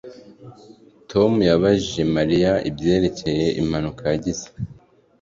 Tom yabajije Mariya ibyerekeye impanuka yagize